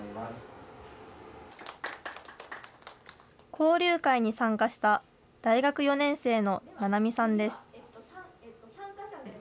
交流会に参加した大学４年生のななみさんです。